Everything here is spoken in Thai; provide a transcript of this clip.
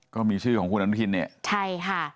ก็มีชื่อของคุณอนุพินเนี่ย